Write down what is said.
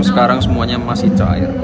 sekarang semuanya masih cair